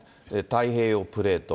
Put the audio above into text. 太平洋プレート、